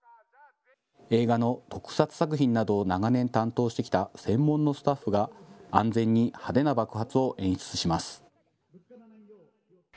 映画の特撮作品などを長年、担当してきた専門のスタッフが安全に派手な爆発を演出します。